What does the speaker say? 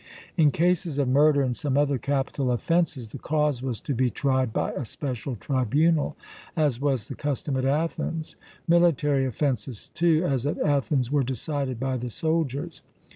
In cases of murder and some other capital offences, the cause was to be tried by a special tribunal, as was the custom at Athens: military offences, too, as at Athens, were decided by the soldiers.